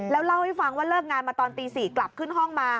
แล้วเล่าให้ฟังว่าเลิกงานมาตอนตี๔กลับขึ้นห้องมา